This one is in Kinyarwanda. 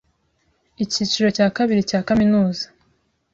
icyiciro cya kabiri cya kaminuza